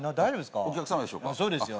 お客様でしょうか？